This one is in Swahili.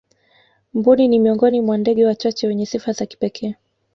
mbuni ni miongoni mwa ndege wachache wenye sifa za kipekee